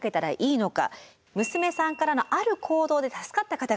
娘さんからのある行動で助かった方がいます。